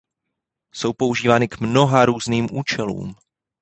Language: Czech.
Jsou používány k mnoha různým účelům.